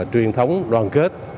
truyền thống đoàn kết